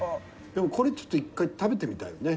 でもこれちょっと１回食べてみたいよね。